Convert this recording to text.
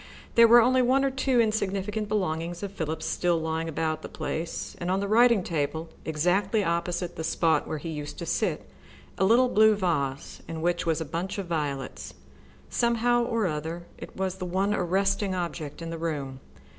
There were one or two insignificant belongings of Philip's still lying about the place, and on the writing table, exactly opposite the spot where he used to sit, a little blue vase, in which was a bunch of violets. Somehow or other it was the one arresting object in the room.